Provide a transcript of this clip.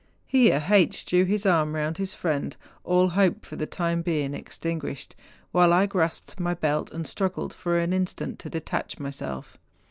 Here H. drew his arm round his friend, all hope for the time being extinguished, while I grasped my belt and struggled for an instant to detach myself.